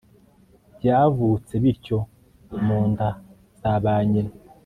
byavutse bityo mu nda za ba nyina